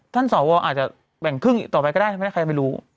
สวอาจจะแบ่งครึ่งอีกต่อไปก็ได้ไม่ได้ใครไม่รู้